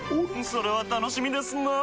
それは楽しみですなぁ。